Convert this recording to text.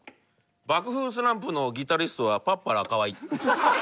爆風スランプのギタリストはパッパラー河井。